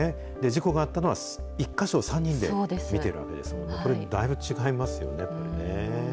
事故があったのは、１か所を３人で見ているわけですので、これ、だいぶ違いますよね。